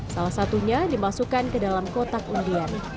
salah satunya dimasukkan ke dalam kotak undian